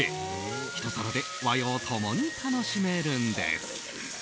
ひと皿で和洋共に楽しめるんです。